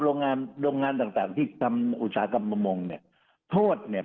โรงงานต่างที่ทำอุตสาหกรรมมงค์เนี่ยโทษเนี่ย